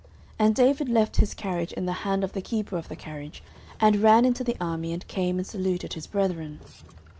09:017:022 And David left his carriage in the hand of the keeper of the carriage, and ran into the army, and came and saluted his brethren.